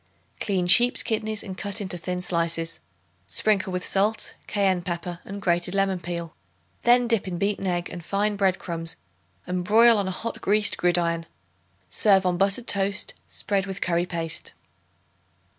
Clean sheep's kidneys and cut into thin slices. Sprinkle with salt, cayenne pepper and grated lemon peel. Then dip in beaten egg and fine bread crumbs and broil on a hot greased gridiron. Serve on buttered toast, spread with curry paste.